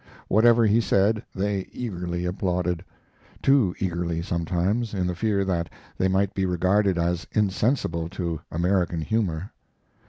Whatever he said they eagerly applauded too eagerly sometimes, in the fear that they might be regarded as insensible to American humor.